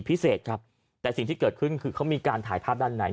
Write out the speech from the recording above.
พิเศษครับแต่สิ่งที่เกิดขึ้นคือเขามีการถ่ายภาพด้านใน